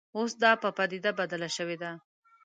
اوس دا په پدیده بدله شوې ده